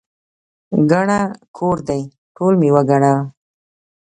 ګڼه کور دی، ټول مې وګڼل.